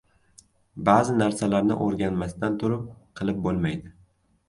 • Ba’zi narsalarni o‘rganmasdan turib qilib bo‘lmaydi.